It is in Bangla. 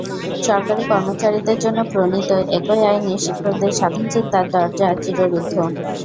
সরকারি কর্মচারীদের জন্য প্রণীত একই আইনে শিক্ষকদের স্বাধীন চিন্তার দরজা চিররুদ্ধ।